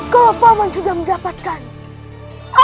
kalau paman sudah mendapatkannya